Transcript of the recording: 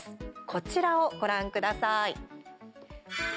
こちらを、ご覧ください。